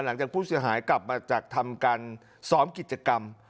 หลังจากผู้เสียหายกลับมาจากทำการซ้อมกิจกรรม